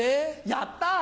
やった。